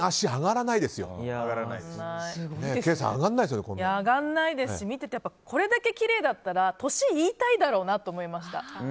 上がらないですし見ててこれだけきれいだったら年言いたいだろうなって。